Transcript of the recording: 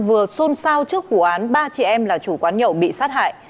vừa xôn xao trước vụ án ba chị em là chủ quán nhậu bị sát hại